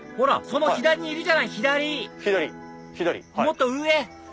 その左にいるじゃない左もっと上！